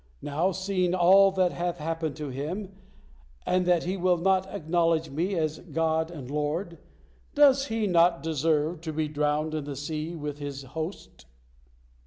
Now, seeing all that hath happened to him, and that he will not acknowledge Me as God and Lord, does he not deserve to be drowned in the sea with his host?"